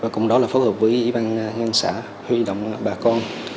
cùng đó là phô hợp với y băng ngân xã huy động bà con